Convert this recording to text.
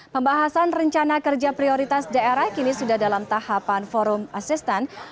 pembahasan rencana kerja prioritas daerah kini sudah dalam tahapan forum asisten